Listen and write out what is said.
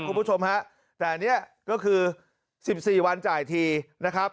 คุณผู้ชมฮะแต่อันนี้ก็คือ๑๔วันจ่ายทีนะครับ